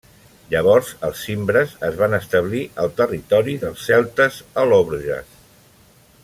Llavors els cimbres es van establir al territori dels celtes al·lòbroges.